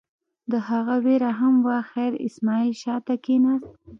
د هغه وېره هم وه، خیر اسماعیل شا ته کېناست.